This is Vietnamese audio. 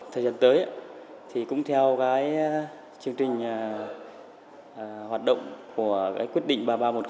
thời gian tới cũng theo chương trình hoạt động của quyết định ba nghìn ba trăm một mươi